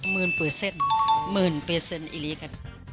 หมื่นเปอร์เซ็นต์หมื่นเปอร์เซ็นต์อีลีกัน